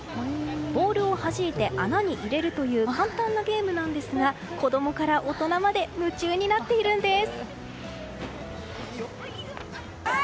ボールをはじいて穴に入れるという簡単なゲームなんですが子供から大人まで夢中になっているんです。